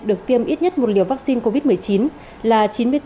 được tiêm ít nhất một liều vaccine covid một mươi chín là chín mươi bốn